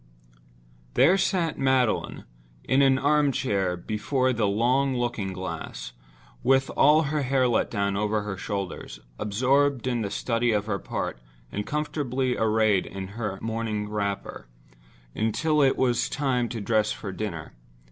There sat Magdalen, in an arm chair before the long looking glass, with all her hair let down over her shoulders; absorbed in the study of her part and comfortably arrayed in her morning wrapper, until it was time to dress for dinner.